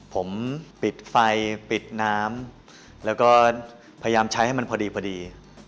ผมปิดไฟปิดน้ำแล้วก็พยายามใช้ให้มันพอดีพอดี